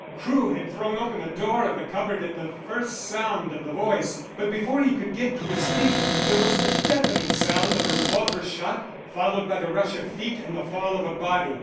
Crewe had thrown open the door of the cupboard at the first sound of the voice, but before he could get on to his feet there was the deafening sound of a revolver shot, followed by the rush of feet and the fall of a body.